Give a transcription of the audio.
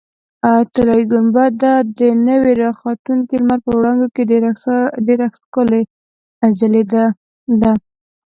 طلایي ګنبده د نوي راختونکي لمر په وړانګو کې ډېره ښکلې ځلېدله.